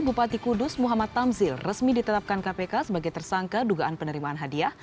bupati kudus muhammad tamzil resmi ditetapkan kpk sebagai tersangka dugaan penerimaan hadiah